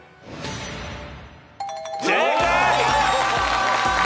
正解！